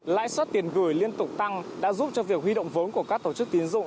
lãi suất tiền gửi liên tục tăng đã giúp cho việc huy động vốn của các tổ chức tiến dụng